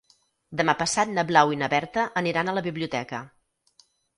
Demà passat na Blau i na Berta aniran a la biblioteca.